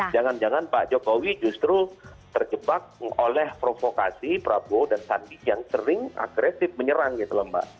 jangan jangan pak jokowi justru terjebak oleh provokasi prabowo dan sandi yang sering agresif menyerang gitu loh mbak